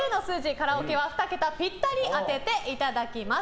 カラオケは２桁ぴったり当てていただきます。